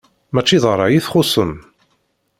Mačči d ṛṛay i txuṣṣem.